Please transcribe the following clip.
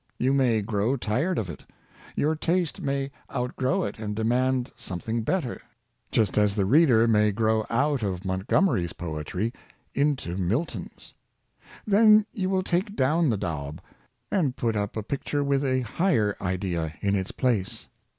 You may grow tired of it. Your taste may outgrow it and demand something better, just as the reader may grow out of Montgomery's poetry into Milton's. Then you will take down the daub, and put up a picture with a higher idea in its place.